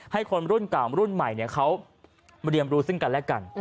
ให้คนรุ่นเก่ารุ่นใหม่เขามาเรียนรู้ซึ่งกันและกัน